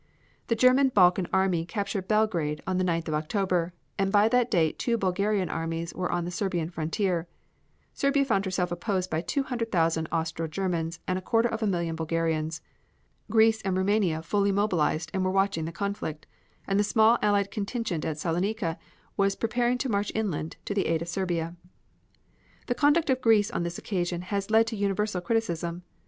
The German Balkan army captured Belgrade on the 9th of October, and by that date two Bulgarian armies were on the Serbian frontier. Serbia found herself opposed by two hundred thousand Austro Germans and a quarter of a million Bulgarians. Greece and Roumania fully mobilized and were watching the conflict, and the small allied contingent at Saloniki was preparing to march inland to the aid of Serbia. The conduct of Greece on this occasion has led to universal criticism.